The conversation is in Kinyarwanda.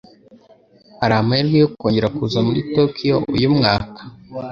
Hari amahirwe yo kongera kuza muri Tokiyo uyu mwaka?